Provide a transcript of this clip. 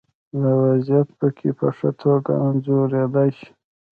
دا وضعیت پکې په ښه توګه انځورېدای شي.